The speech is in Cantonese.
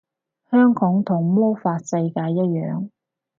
香港同魔法世界一樣